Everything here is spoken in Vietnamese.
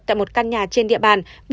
tại một căn nhà trên địa bàn